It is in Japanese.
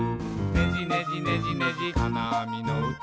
「ねじねじねじねじかなあみのうた」